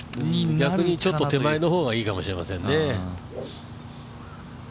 逆にちょっと手前の方がいいかもしれませんね。